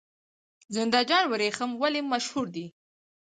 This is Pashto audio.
زنده جان وریښم ولې مشهور دي؟